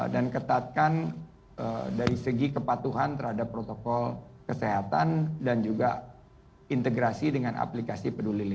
dan ketatkan dari segi kepatuhan terhadap protokol kesehatan dan juga integrasi dengan aplikasi